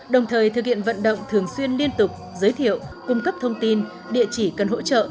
đồng thời thực hiện vận động thường xuyên liên tục giới thiệu cung cấp thông tin địa chỉ cần hỗ trợ